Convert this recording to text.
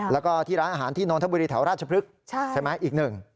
แล้วก็ที่ร้านอาหารที่นนทบุรีแถวราชพฤกษ์ใช่ไหมอีกหนึ่ง